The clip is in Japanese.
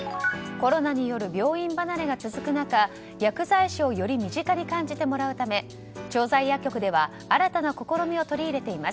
コロナによる病院離れが続く中薬剤師をより身近に感じてもらうため調剤薬局では新たな試みを取り入れています。